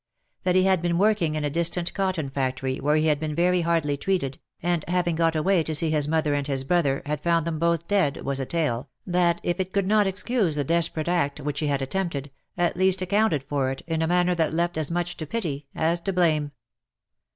That he had been working in a distant cotton factory, where he had been very hardly treated, and having got away to see his mother and his brother, had found them both dead, was a tale, that if it could not excuse the desperate act which he had attempted, at least accounted for it, in a manner that left as much to pity as to blame.